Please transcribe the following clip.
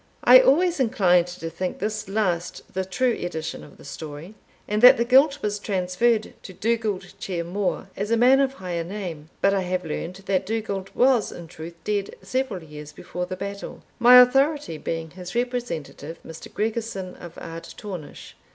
I always inclined to think this last the true edition of the story, and that the guilt was transferred to Dugald Ciar Mhor, as a man of higher name, but I have learned that Dugald was in truth dead several years before the battle my authority being his representative, Mr. Gregorson of Ardtornish.